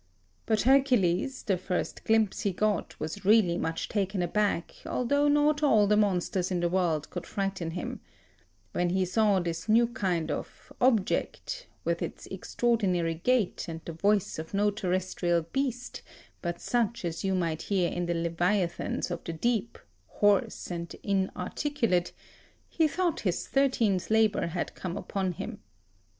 But Hercules, the first glimpse he got, was really much taken aback, although not all the monsters in the world could frighten him; when he saw this new kind of object, with its extraordinary gait, and the voice of no terrestrial beast, but such as you might hear in the leviathans of the deep, hoarse and inarticulate, he thought his thirteenth labour had come upon him.